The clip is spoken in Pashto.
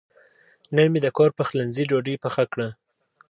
نن مې د کور پخلنځي ډوډۍ پخه کړه.